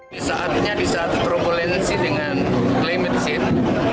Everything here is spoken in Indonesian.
di saatnya di saat provokasi dengan climate change